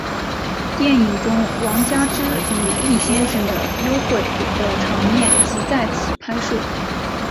电影中王佳芝与易先生的幽会的场面即在此拍摄。